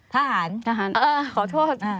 ทหารขอโทษ